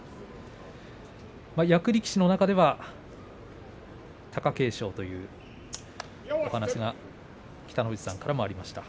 役力士の中では貴景勝というお話が北の富士さんからもありました。